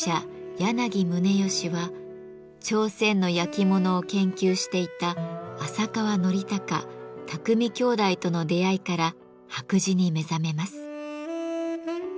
柳宗悦は朝鮮の焼き物を研究していた浅川伯教・巧兄弟との出会いから白磁に目覚めます。